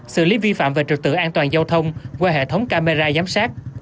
xử lý vi phạm về trực tự an toàn giao thông qua hệ thống camera giám sát